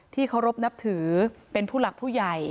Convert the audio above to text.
เคารพนับถือเป็นผู้หลักผู้ใหญ่